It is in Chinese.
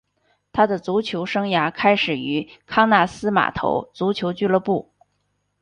他的足球生涯开始于康纳斯码头足球俱乐部。